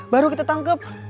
baru kita tangkep